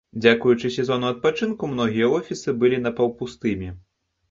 Дзякуючы сезону адпачынку, многія офісы былі напаўпустымі.